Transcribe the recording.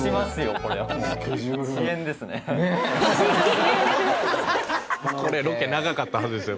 これロケ長かったはずですよ。